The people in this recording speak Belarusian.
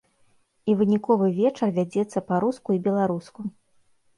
І выніковы вечар вядзецца па-руску і беларуску.